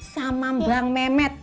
sama bang mehmet